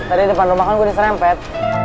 tadi di depan rumah kan gue diserempet